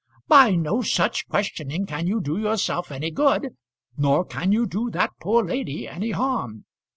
By no such questioning can you do yourself any good, nor can you do that poor lady any harm."